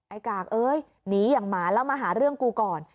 กากเอ้ยหนีอย่างหมาแล้วมาหาเรื่องกูก่อน